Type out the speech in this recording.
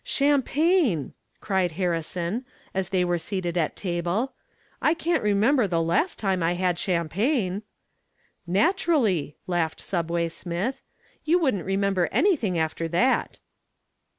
"Champagne!" cried Harrison, as they were seated at table. "I can't remember the last time I had champagne." "Naturally," laughed "Subway" Smith. "You couldn't remember anything after that."